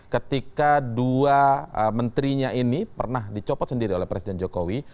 ketika dua menterinya ini pernah dicopot sendiri oleh presiden jokowi